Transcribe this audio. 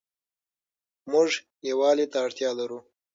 مونږ يووالي ته اړتيا لرو